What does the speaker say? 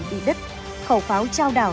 bị đứt khẩu pháo trao đảo